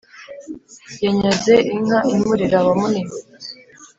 Yanyaze inka i Murera wa Munini